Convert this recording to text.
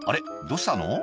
どうしたの？